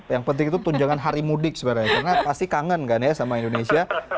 yang penting itu tunjangan hari mudik sebenarnya karena pasti kangen kan ya sama indonesia